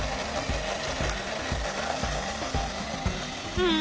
うん。